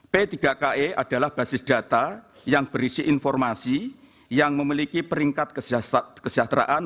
p tiga ke adalah basis data yang berisi informasi yang memiliki peringkat kesejahteraan